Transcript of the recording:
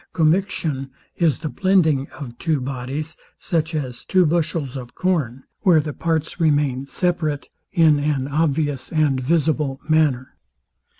Commixtion is the blending of two bodies, such as two bushels of corn, where the parts remain separate in an obvious and visible manner.